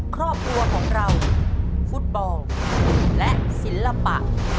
ครอบครัวของเราฟุตบอลและศิลปะ